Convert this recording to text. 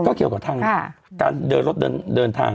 เกี่ยวกับทางการเดินรถเดินทาง